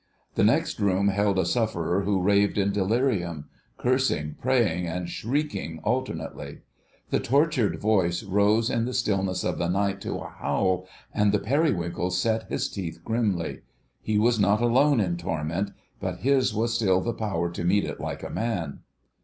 The next room held a sufferer who raved in delirium: cursing, praying, and shrieking alternately. The tortured voice rose in the stillness of the night to a howl, and the Periwinkle set his teeth grimly. He was not alone in torment, but his was still the power to meet it like a man.